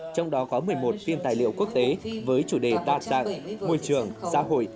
trong đó có một mươi một phim tài liệu quốc tế với chủ đề đa dạng môi trường xã hội